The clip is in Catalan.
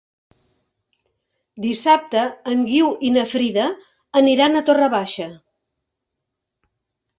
Dissabte en Guiu i na Frida aniran a Torre Baixa.